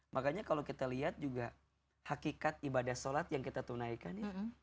makanya kalau kita lihat juga hakikat ibadah sholat yang kita tunaikan ya